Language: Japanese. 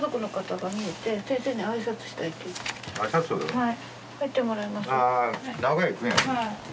はい。